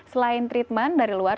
selain treatment dari luar